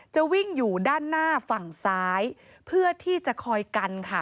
จะวิ่งอยู่ด้านหน้าฝั่งซ้ายเพื่อที่จะคอยกันค่ะ